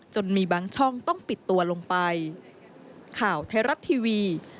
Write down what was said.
มีบางช่องต้องปิดตัวลงไป